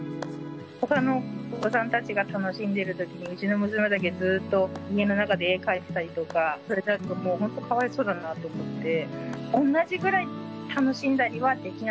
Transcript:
ほかのお子さんたちが楽しんでいるときに、うちの娘だけずっと家の中で絵描いてたりとか、それだと、もう本当かわいそうだなと思って。